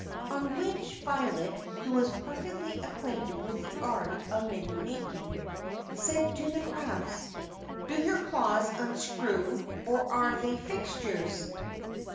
On which Violet, who was perfectly acquainted with the art of mitten making, said to the crabs, "Do your claws unscrew, or are they fixtures?"